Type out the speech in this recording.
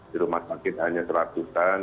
di rumah sakit hanya seratusan